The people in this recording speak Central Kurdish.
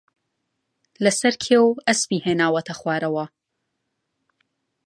لەسەر کێو ئەسپی ھێناوەتە خوارەوە